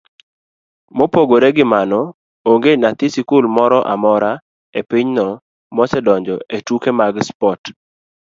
Mopogore gi mano, onge nyathi skul moro amora epinyno mosedonjo etuke mag spot,